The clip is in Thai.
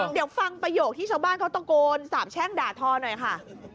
เดี๋ยวฟังประโยคที่ชาวบ้านเขาตะโกนสาบแช่งด่าทอหน่อยค่ะ